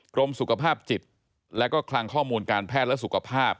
กรมสุขภาพจิตและก็คลังข้อมูลการแพทย์และสุขภาพ